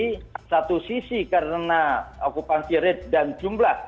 jadi satu sisi karena akupansi rate